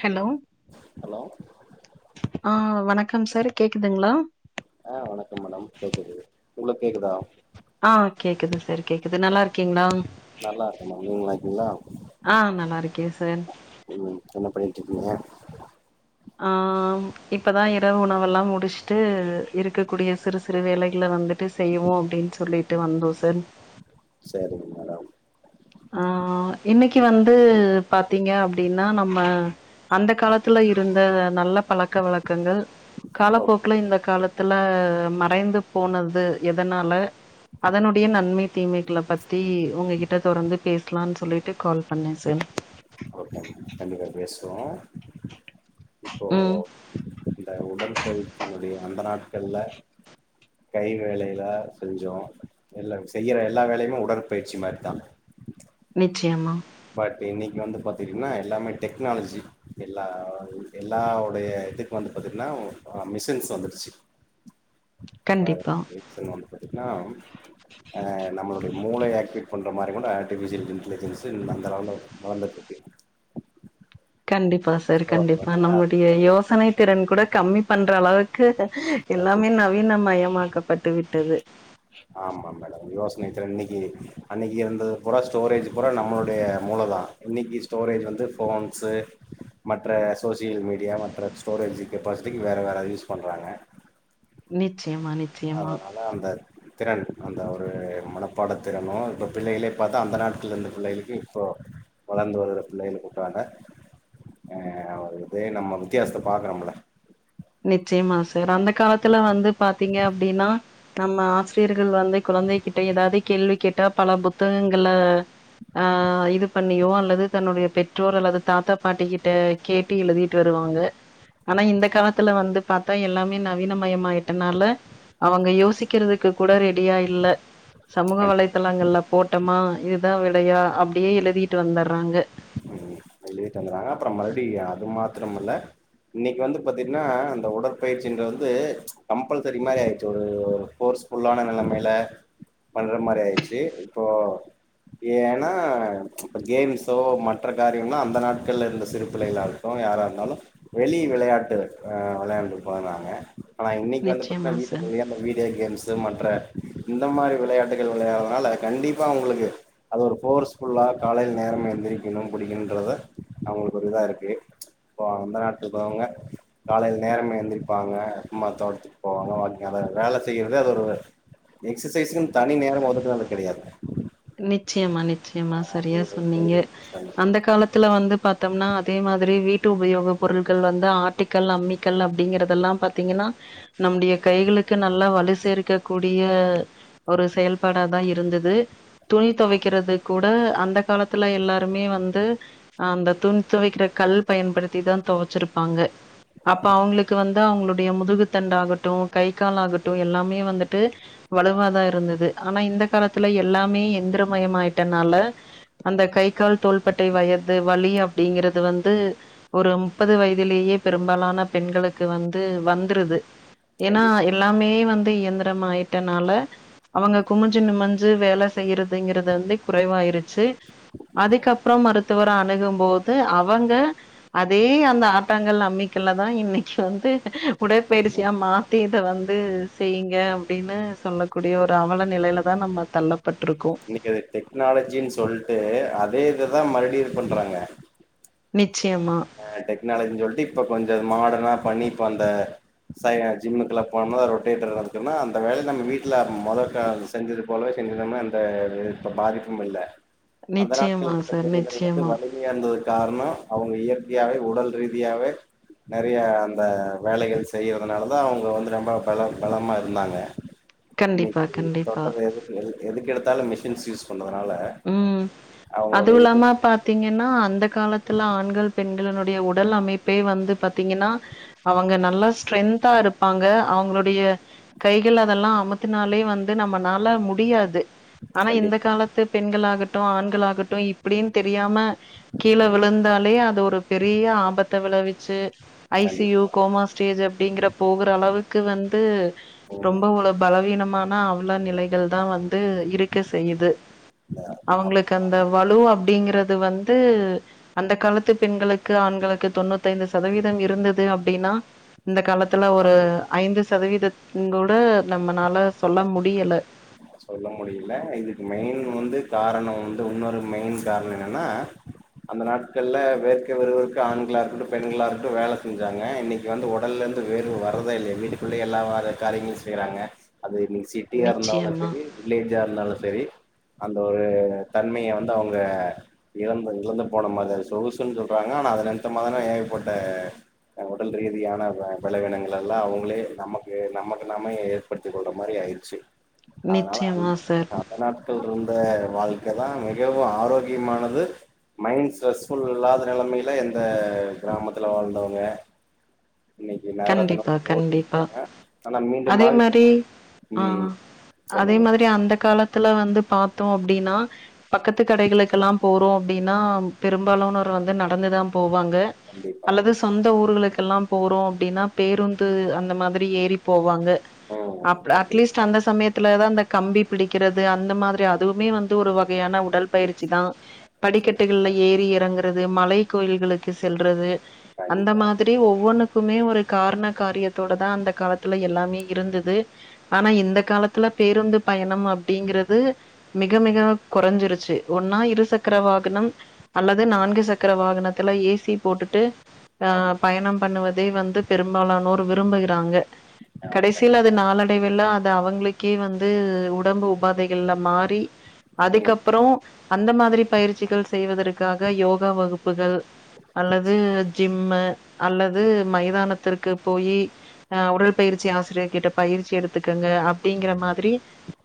Hello hello ஆ வணக் க்கம் சார் கேக்குதுங்களா ஆ வணக்கம் மேடம் கேக்குது உங்ளுக் கேக்குதா ஆ கேக்குது சார் கேக்குது நல்லா இருக்கீங்ளா நல்லா இருக்கமா நீங்க நல்லாருக்கீங்ளா ஆ நல்லா இருக்கே சார் ம் என்ன பண்ணி ட்ரிக்கீங்க ஆ ம் இப்பதா இரவு உணவெல்லா முடிச்ட்டு இருக்கக்கூடிய சிறு சிறு வேலைகள வந்துட்டு செய்வோ அப்டின் சொல்லிட்டு வந்தோ செர் செரிங்க‌ மேடம் ஆ இன்னைக்கு வந்து பாத்தீங்க அப்டின்னா நம்ம அந்த காலத்துல இருந்த நல்ல பழக்க வழக்கங்கள் ஓகே காலப்போக்குல இந்த காலத் ல மறைந்து போனது எதனால அதனுடைய நன்மை தீமைகள பத்தி ஒங்க கிட்ட தொடர்ந்து பேசலான் சொல்லிட்டு கால் பண்ணே சார் சேர் பேசுவோ இப்போ ம் இந்த உடற்பயிற்சியினுடைய அந்த நாள் கல்ல கை வேலையில செஞ்சோ எல்லா செய்யற எல்லா வேலையுமே உடற்பயிற்சி மார் தா நிச்சியமா இன்னைக்கு வந்து பாத்தீங்கனா எல்லாமே டெக்னாலஜி எல்லா எல்லா உடைய இதுக்கு வந்து பாத்திட்னா ஆ மிஷின்ஸ் வந்துருச்சு கண்டிப்பா [unintelligible] நாம் அ நம்மளுடைய மூளை ஏக்டிவேட் பண்ற மாரி கூட ஆர்டிஃபிசியல் இன்ட்லிஜென்ஸு இந் அந்த லெவல்ல வ வளந்திட்ருக்கு கண்டி ப்பா சார் கண்டிப்பா அதனால நம்முடைய யோசனை திறன் கூட கம்மி பண்ற அளவுக்கு எல்லாமே நவீன மயமாக்கப் பட்டு விட்டது ஆம்மா மேடோ யோஸ் னைத்திறன் இன்னிக்கி அன்னைக்கி இருந்தது புரா ஸ்டோரேஜ் புரா நம்மளுடைய மூள தா இன்னிக்கு ஸ்டோரேஜ் வந்து ஃபோன்ஸு மற்ற சோசியல் மீடியா மற்ற ஸ்டோரேஜ் கெப்பாசிட்டிக் வேற வேற அத யூஸ் பண்றாங்க நிச்சியமா நிச்சியமா அதனால அந்த திறன் அந்த ஒரு மனப்பாட திறனோ இப்ப பிள்ளைகளே பாத்தா அந்த நாட்கள்ல இந்த பிள்ளைகளுக்கு இப்போ வளந்து வருற பிள்ளைகளுக் ஊட்றாங்க அ அவர் இதே நம்ம வித்தியாசத்த பாக்கரமில்ல நிச்சியமா சார் அந்த காலத்துல வந்து பாத்தீங்க அப்டின்னா நம்ம ஆசிரியர்கள் வந்து குழந்தைகிட்ட எதாவ்து கேள்வி கேட்டா பல புத்தகங்கள ஆ இது பண்ணியோ அல்லது தன்னுடைய பெற்றோர் அல்லது தாத்தா பாட்டி கிட்ட கேட்டு எழுதிட்டு வருவாங்க ஆனா இந்த கால த்துல வந்து பாத்தா எல்லாமே நவீனமயமாயிட்டனால அவங்க யோசிக்கிறதுக்கு கூட ரெடியா இல்ல சமூக வலைதளங்கள்ல்ல போட்டமா இதுதா விலையா அப்டியே எழுதிட்டு வந்தர்றாங்க சொல்லீட்டு இருந்தாங்க அப்புறம் மறுடி அது மாத்ரமல்ல இன்னிக்கு வந்து பத்தின்னா அந்த உடற்பயிற்சின்ற வந்து கம்பல்சரி மாரி ஆயிட்ச்சு ஒரு ஒரு ஃபோர்ஸ்ஃபுல்லான நெலமைல பண்ற மாரி ஆயிர்ச்சி இப்போ ஏனா கேம்ஸோ மற்ற காரியம்னா அ ந்த நாட்கள்ல இருந்த சிறு பிள்ளைகளாட்டு யாரா இருந்தாலு வெளி விளையாட்டுகள் அ வெளையாண்டு பழகுனாங்க ஆனா இன்னிக்கு வந்து பாத்தினா நிச்சயமா சார் வீட்டுக்குள்யே அந்த வீடியோ கே ம்ஸ் மற்ற இந்த மாரி விளையாட்டுகள் விளையாதனால கண்டிப்பா அவுங்குளுக்கு அது ஒரு ஃபோர்ஸ்ஃபுல்லா காலையில் நேரமா எந்திரிக்குணும் புடிக்குணுன்றத அவுங்குளுக்கு ஒரு இதாருக்கு இப்போ அந்த நாட்ல இக்றவங்க காலையில் நேரமா எந்திரிப்பாங்க ம்மா தோட்த்துக் போவாங்க வாக்கிங் அத வேல செய்யறதே அது ஒரு எக்சசைஸ்குன் தனி நேரோ ஒதுக்கினது கெடையாது நிச்சியமா நி ச்சயமா சரியா அது ஒரு சொன்னீங்க பெரிய விஷயம் அந்த காலத்துல வந்து பாத்தம்னா அதே மாதிரி வீ ட்டு உபயோக பொருள்கள் வந்து ஆட்டிக்கல் அம்மிக்கல் அப்டிங்கறதெல்லாம் பாத்திங்கன்னா நம்முடைய கைகளுக்கு நல்லா வலு சேர்க்க கூடிய ஒரு செயல்பாடாதா இருந்துது துணி தொவைக்கிறதுக் கூட அந்த காலத்துல எல்லாருமே வந்து அ அந்த துணி துவைக்கிற கல் பயன்படுத்தி தா தொவச்சிருப்பாங்க அப்ப அவுங்குளுக்கு வந்து அவுங்களுடைய முதுகுத்தண்டு ஆகட்டு கை கால் ஆகட்டு எல்லாமே வந்துட்டு வலுவாதா இருந்தது ஆனா இந்த காலத்துல எல்லாமே இந்திரமய மாயிட்டனால அந்த கை கால் தோள்பட்டை வயது வலி அப்டிங்கிறது வந்து ஒரு முப்பது வயதிலேயே பெரும்பாலான பெண்களுக்கு வந்து வந்துருது ஏனா கண்டிப்பா எல்லாமே வந்து இயந்திரம் ஆயிட்டனால அவங்க குமிஞ்சு நிமிஞ்சு வேல செய்யறதுங்கிறது வந்து குறைவாயிருச்சு அதுக்கப்புறம் மருத்துவர அணுகும்போது அவுங்க அதே அந்த ஆட்டாங்கல் அமிக்கல்ல தா இன்னிக்கு வந்து உடற்பயிற்சியா மாத்தி அத வந்து செய்ங்க அப்டினு சொல்லக்கூடிய ஒரு அவல நிலைலதா நம்ம தள்ளப்ப இன்னிக்கு அது டெக்னாலஜின் சொல்ட்டு அதே இத தா மறுடி இது பண்றாங்க நிச்சியமா அ டெக்னாலஜின் சொல்ட்டு இப்ப கொஞ்சொ அத மாடனா பண்ணி இப்ப அந்த சை ஜிம்முக்கெல்லா போனம்னா ரொட்டேட்டர் அதுக்குன்னா அந்த வேலய நம்ம வீட்ல மொதக்கா செஞ்சது போலவே செஞ்சிருந்தம்னா அந்த இ இப்ப பாதிப்புமில்ல அந்த நிச்சயமா நாட்கள் சார் [unintelligible] நிச்சயமா வலிமியா இருந்தது கார்ணொ அவுங்க இயற் கையாலே உடல் ரீதியாக நெறையா அந்த வேலைகள் செய்யறதுனால தா அவங்க வந்து ரொம்ப பல பலமா இருந்தாங்க கண்டிப்பா இன்னிக்கு கண்டிப்பா தொட்டது எது எதுக்கு எடுத்தாலு மிஷின்ஸ் யூஸ் பண்றதுனால உம் அதுவு அவங்களுடைய இது இல்லாம பாத்தீங்கன்னா அந்த காலத்துல ஆண்கள் பெண் இதனுடைய உடல் அமைப்பே வந்து பாத்தீங்கன்னா அவங்க நல்லா ஸ்ட்ரென்தா இருப்பாங்க அவங்களுடைய கைகள் அதெல்லா அமுத்துனாலே வந்து நம்மனால முடியாது ஆனா இந்த கண்டிப்பா காலத் களாகட்டு ஆண்களாகட்டு இப்டின் தெரியாம கீழ விழுந்தாலே அது ஒரு பெரிய ஆபத்த விளவிச்சி ஐ சீ யூ கண்டிப்பா. கோமா ஸ்டேஜ் அப்டிங்கற போகற அளவுக்கு வந்து ம். ரொம்பவு ஒரு பலவீனமான அவள நிலைகள் தா வந்து இருக்க செய்யுது இல்ல அவங்களுக்கு அப்பா அந்த வலு அப்டிங்கறது வந்து அந்த காலத்து பெண்களுக்கு ஆண்களுக்கு தொண்ணூத்தைந்து சதவீதம் இருந்தது அப்டின்னா இந்த காலத்துல ஒரு ஐந்து சதவீத ங்கோட நம்மனால சொல்ல முடியல சொல்ல முடியல இதுக்கு மெயின் வந்து காரணொ வந்து இன்னொரு மெயின் காரணொ என்னன்னா அந்த நாட்கள்ல வேர்க விறுவிறுக்க ஆண்களா இருக்கட்டு பெண்களா இருக்கட்டு வேல செஞ்சாங்க இன்னிக்கு வந்து ஒடல்ல இருந்து வேர்வ வர்றதே இல்ல வீட்டுக்குள்ளயே எல்லா வ காரியங்களையு செய்றாங்க அது இன்னிக்கு சிட்டியா இருந்தாலு நிச்சயமா சரி வில்லேஜா இருந்தாலு சரி அந்த ஒரு தன்மைய வந்து அவங்க இழந்து இழந்து போன மாதிரி சொகுசுன்னு சொல்றாங்க ஆனா அது நிமித்தமான ஏர்பட்ட உடல் ரீதியான விளைவினங்களெல்லா அவங்களே நமக்கு நமக்கு நாமே ஏற்படுத்திக் கொள்ற மாரி ஆயிடுச்சி அதனால நிச்சயமா சார் [unintelligible] [unintelligible] இருந்த வாழ்க்க தா மிகவு ஆரோக்கியமானது மைண்ட் ஸ்ரெஸ் ஃபுல் இல்லாத நெலமைல எந்த கிராமத்துல வாழ்ந்தவங்க இன்னிக்கு நகரத்துல கண்டிப்பா கண்டிப்பா. ஓட்டிபுட்டாங்க ஆனா மீண்டு மாரி ஆ உம் அதே மாதிரி அந்த காலத்துல வந்து பாத் அப்டின்னா பக்கத்து கடைகளுக்கெல்லா போறோ அப்டின்னா பெரும்பாலானோர் வந்து நடந்துதா போ வாங்க கண்டிப்பா அல்லது சொந்த ஊர்களுக்கெல்லா போறோ அப்டின்னா பேருந்து அந்த மாதிரி ஏறி போவாங்க ம் அப் அட்லீஸ்ட் கண்டிப்பா அந்த சமயத்துல தா அந்த கம்பி பிடிக்கிறது அந்த மாதிரி அதுவுமே வந்து ஒரு வ கையான உடல் பயிற்சி தா படிக்கட்டுகள்ல ஏறி எறங்குறது மலை கோயில்களுக்கு செல்றது அந்த கண்டிப்பா மாதிரி ஒவ்வொன்னுக்கு க்குமே ஒரு காரண காரியத்தோட தா அந்த காலத்துல எல்லாமே இருந்தது ஆனா இந்த காலத்துல பேருந்து பயணம் அப்டிங்கறது மிக மிக கொறஞ்சிருச்சி ஒன்னா இரு சக்கர வாகனம் அல்லது நான்கு சக்கர வாகனத்துல ஏசி போட்டுட்டு ஆமா ஆஹ் பயணம் பண்ணுவது இதை வந்து பெரும்பாலானோர் விரும்புகிறாங்க ஆமா கடைசியில் கண்டிப்பா அது நாளடைவில்ல இது அவங்களுக்கே வந்து உடம்பு உபாதைகள்லா மாறி ம் அதுகப்றோ அந்த மாதிரி பயிற்சிகள் செய்வதற்காக யோகா வகுப்புகள் அல்லது ஜிம்மு அல்ல து மைதானத்திற்கு போயி ஆ உடல் பயிற்சி ஆசிரியர் கிட்ட பயிற்சி எடுத்துக்கங்க அப்டிங்கிற மாதிரி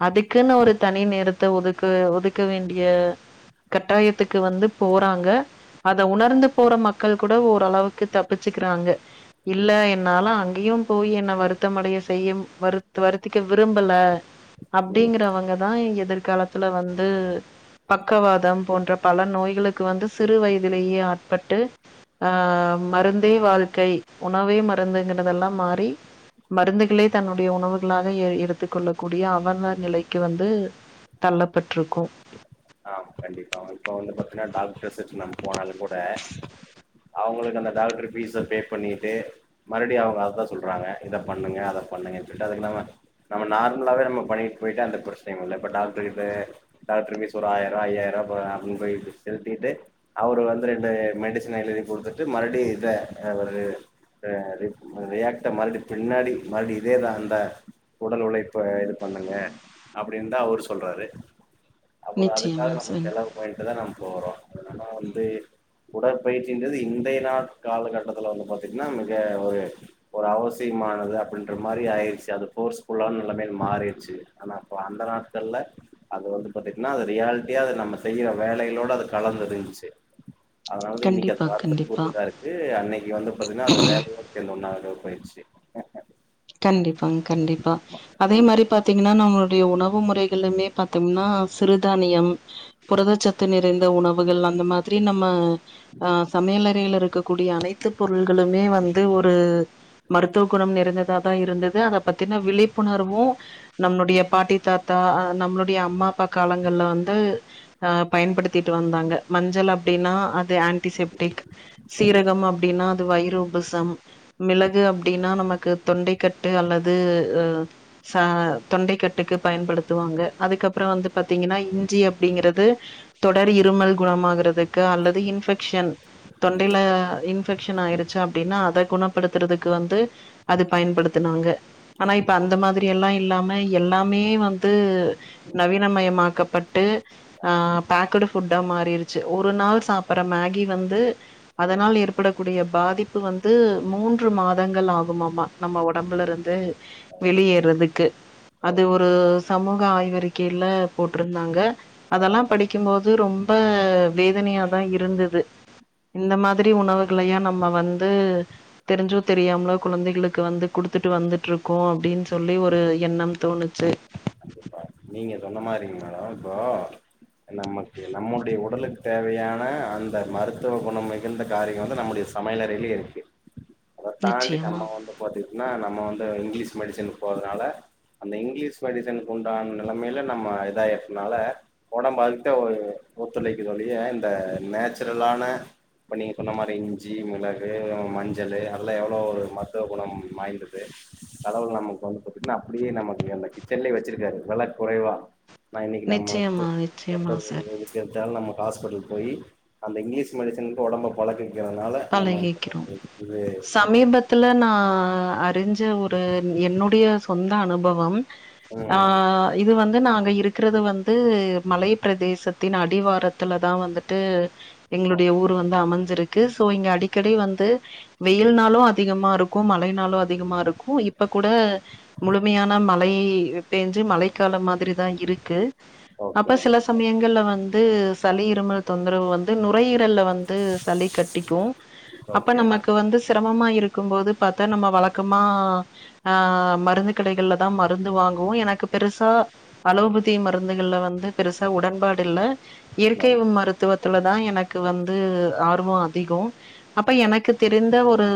அதுக்குன்னு ஒரு தனி நேரத்த ஒதுக்கு ஒதுக்க வேண்டிய கட்டாயத்துக்கு வந்து போறாங்க அத உணர்ந்து போற மக்கள் கூட ஓரளவுக்கு தப்பிச்சு குறாங்க இல்ல என்னால அங்கெயு போய் என்ன வருத்தமடைய செய்யும் வருத் வருத்திக்க விரும்பல ம் அப்டிங்குறவங்கதா எதிர்காலத்துல வந்து பக்கவாதம் போன்ற பல நோய்களுக்கு வந்து சிறு வயதிலேயே ஆட்பட்டு ஆ மருந் தே வாழ்க்கை உணவே மருந்துங்குறதெல்லா மாறி மருந்துகளே தன்னுடைய உணவுகளாக எ எடுத்துக் கொள்ளக்கூடிய அவன நிலைக்கு வந்து தள்ளப்பட்ருக்கு ஆ கண்டிப்பா இப்போ வந்து பாத்தீன்னா டாக்டர்ஸ் வெச்சு நம்ம போனாலு கூட அவங்களுக்கு அந்த டாக்டர் ஃபீஸ்ஸ பே பண்ணிட்டு மறுபடியு அவங்க அதுதா சொல்றாங்க இத பண்ணுங்க அத பண்ணுங்க சொல்ட்டு அதுக்கு நாம நம்ம நார்மலாவே நம்ம பண்ணிட்டு போய்டா எந்த பிரச்சனைையும் இல்ல இப்ப டாக்டர் கிட்ட டாக்டர் ஃபீஸ் ஒரு ஆயிர ரூவா ஐயாயிர ரூவா போனா அப்டின்னு போய்டு செலுத்திட்டு அவரு வந்து ரெண்டு மெடிசன எழுதி கொடுத்துட்டு மறுபடி இதெ ஒரு அ இது மு ரியாக்ட்ட மறுபடி பின்னாடி மறுபடி இதேதா அந்த உடல் உழைப்ப இது பண்ணுங்க அப்டின்னு தா அவரு சொல்றாரு அப்புறொ அதுக்காக நிச்சயமா நம்ம சார் செலவு போயிட்டு தா நம்ம போறோ எதனா வந்து உடற்பயிற்சின்றது இந்தைய நாட் காலகட்டத்துல வந்து பாத்தீங்கன்னா மிக ஒரு ஒரு அவசியமானது அப்டின்ற மாரி ஆயடுச்சு அது ஃபோர்ஸ் ஃபுல்லா ம எல்லாமே மாறிடுச்சு ஆனா அப்ப அந்த நாட்கள்ல அது வந்து பாத்தீங்கன்னா அது ரியாலிட்டியா அது நம்ம செய்யற வேலைகலோட அது கலந்து இருந்துச்சு அதனாலதா இன்னைக்கு கண்டிப்பா அது கண்டிப்பா வரத்துக்கு [unintelligible] இருக்கு அன்னைக்கு வந்து பாத்தீங்கன்னா அது வேலையா தெரியு நா யொ போயுச்சு அ கண்டிப்பாங்க கண்டிப்பா அதே ம் மாரி பாத்தீங்கன்னா நம்மளுடைய உண வு முறைகளுமே பாத்தோம்னா சிறுதானியம் புரதச்சத்து நிறைந்த உணவுகள் அந்த மாதிரி நம்ம ஆ சமையல் அறைல இருக்கக்கூடிய அனை த்து பொருள்களுமே வந்து ஒரு மருத்துவ குணம் நிறைந்த தா தா இருந்தது அத பத்தினா விழிப்புணர்வு நம்ளுடைய பாட்டி தாத்தா அ நம்ளுடைய அம்மா அப்பா காலங்கள்ல வந்து அ பயன்படுத்திட்டு வந்தாங்க மஞ்சள் அப்டின்னா அது ஆன்டிசெப்டிக் கண்டிப்பா சீரகம் அப்டின்னா அது வையிறு உபசம் மிளகு அப்டின்னா நமக்கு தொண்டைக்கட்டு அல்லது அ சா தொண்டைக்கட்டுக்கு பயன்படுத்துவாங்க அதுக்கப்புறொ வந்து பாத்தீங்கன்னா இஞ்சி அப்டிங்கிறது தொடர் இருமல் குணமாகுறதுக்கு அல்லது இன்ஃபெக்ஷன் தொண்டையில இன்ஃபெக்ஷன் ஆயடுச்சு அப்டின்னா அத குணப்படுத்துறதுக்கு வந்து அது பயன்படுத்துனாங்க ஆனா இப்ப அந்த மாதிரி எல்லா இல்லாம எல்லாமே வந்து நவீனமயமாக்கப்பட்டு ஆ பேக்குடு ஃபுட்டா மாறிடுச்சு ஒரு நாள் சாப்பற மேகி வந்து அதனால் ஏற்படக்கூடிய பாதிப்பு வந்து மூன்று மாதங்கள் ஆகுமா மா நம்ம ஒடம்புல இருந்து வெளியேறதுக்கு அது ஒரு சமூக ஆய்வறிக்கையில போட்ருந்தாங்க அதெல்லா படிக்கும் போது ரொம்ப வேதனையாதா இருந்துது இந்த மாதிரி உணவுகளையா நம்ம வந்து தெரிஞ்சோ தெரியாமலொ குழந்தைகளுக் கு வந்து குடுத்துட்டு வந்துட்டு இருக்கோ அப்டின்னு சொல்லி ஒரு எண்ணம் தோணுச்சு கண்டிப்பா நீங்க சொன்ன மாதிரிங்க மேடம் இப்போ நமக்கு நம்முடைய உடலுக்கு தேவையான அந்த மருத்துவ குணம் மிகுந்த காரியொ வந்து நம்முடைய சமையல் அறையிலயே இருக்கு அத தாண்டி நிச்சயமா நம்ம வந்து பாத்தீங்கன்னா நம்ம வந்து இங்கிலீஷ் மெடிசனுக்கு போறதுனால அந்த இங்கிலீஷ் மெடிசன் கொண் டாங் நெலமையில நம்ம இதாயிடனால ஒடம்புல அதுக்குதா ஓ ஒத்துழைக்குது ஒழிய இந்த நேச்சுரலான இப்போ நீங்க சொன்ன மாரி இஞ்சி மிளகு மஞ்சள் அதெல்லா எவ்வளோ ஒரு மருத்துவ குணம் வாய்ந்தது கடவுள் நமக்கு வந்து பாத்தீங்கன்னா அப்டியே நமக்கு அந்த கிச்சன்லயே வெச்சுருக்காரு வெல குறைவா நா இன்னைக்கு நம்ம நிச்சயமா ஃப் ஃபோட்டோ நிச்சயமா எ சார் எடுக்கது தாலோ நமக்கு ஹாஸ்பிடல் போய் அந்த இங்கிலீஷ் மெடிசன்க்கு ஒடம்பு பழகி பழகிக்கிறோ சமீபத்துல நா அ அறிஞ்ச ஒரு என்னுடைய சொந்த அனுபவம் ஆ ம் இது வந்து நாங் க இருக்குறது வந்து மலை பிரதேசத்தின் அடிவாரத்துல தா வந்துட்டு எங்களுடைய ஊர் வந்து அமஞ்சிருக்கு ச் சோ இங்க அடிக்கடி வந்து வெயில் நாளு அதிகமா இருக்கு மழை நாளு அதிகமா இருக்கு இப்ப கூட முழுமையான மழை பேஞ்சு மழை காலம் மாதிரிதா இருக்கு ஓகேங்க அப்ப மேடம் சில சமயங்கள்ல வந்து சளி இருமல் தொந்தரவு வந்து நுரையீரல்ல வந்து சளி கட் டிக்கு அப்ப ஓகேங்க நமக்கு வந்து செரமமா இருக்கும் போது பாத்தா நம்ம வழக்கமா ஆ மருந்து கடைகள்ல தா மருந்து வாங்குவோ எனக்கு பெருசா அலோபதி மருந்துகள்ல வந்து பெருசா உடன்பாடு இல்ல இயற்கை மேடம் உன் மருத்துவத்துல தா எனக்கு வந்து ஆர்வொ அ திகொ அப்ப எனக்கு தெரிந்த ஒரு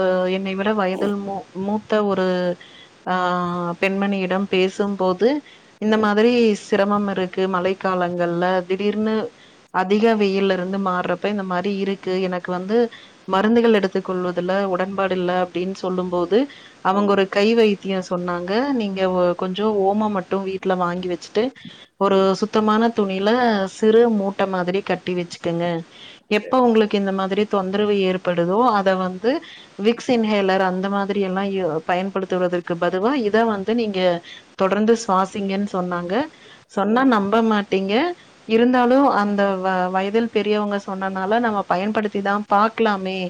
அ என்னை விட வயதில் மூ மூத்த ஒரு ஆ பெண்மணியிடம் பேசும்போது இந்த மாதிரி சிரமம் இருக்கு மழை காலங்கள்ல திடீர்னு அதிக வெயில் இருந்து மாறுறப்ப இந்த மாரி இரு க்கு எனக்கு வந்து மருந்துகள் எடுத்துக் கொள்வதுல உடன்பாடு இல்ல அப்டின்னு சொல்லும் போது ம் அவங்க ஒரு கை வைத்தியொ சொன்னாங்க நீங்க ஓ கொஞ்சொ ஓம மட்டு வீட்டுல வாங்கி வெச்சுட்டு ம் ஒரு ம் சுத்தமான துணியில சிறு மூட்ட மாதிரி கட்டி வெச்சுக்கங்க சரி எப்ப உங்களுக் கு இந்த மாதிரி தொந்தரவு ஏற்படுதோ அத வந்து விக்ஸ் இன்ஹேலர் அந்த மாதிரி எல்லா எ பயன்படுத்துவதற்கு பதுவா இத வந்து நீங்க தொடர்ந்து சுவாசிங்கன்னு சொன்னாங்க சொன்னா ம் நம்ப மாட்டீங்க இருந்தாலு அந்த வ வயதில் பெரியவங்க சொன்னால நம்ம பயன்படுத்திதான் பாக்கலாமே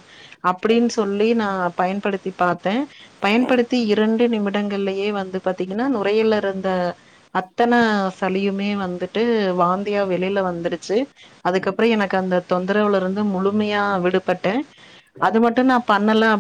அப்டின்னு சொல்லி நா பயன்படுத்தி பாத்த பயன்படுத்தி இரண்டு நிமிடங்கள்லயே வந்து பாத்தீங்கன்னா நுரையில இருந்த அத்தன சலியுமே வந்துட்டு வாந்தியா வெளில வந்துருச்சு அதுக்கப்புறோ எனக்கு அந்த தொந்தரவுல முழுமயா விடுபட்ட ம் அது மட்டு நா பண்ணல